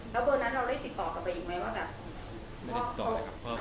แล้วเบอร์นั้นเราได้ติดต่อกลับไปอีกมั้ยว่าแบบ